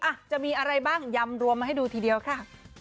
อ่ะจะมีอะไรบ้างยำรวมมาให้ดูทีเดียวค่ะ